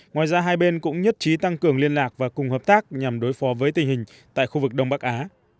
ngoài ra hai bên cũng nhất trí tăng cường liên lạc và cùng hợp tác nhằm đối phó với tình hình tại khu vực đông bắc á